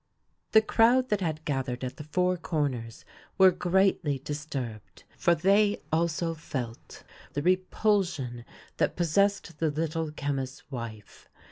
The crowd that had gathered at the Four Corners were greatly disturbed, for they also felt the repulsion that possessed the Little Chemist's wife.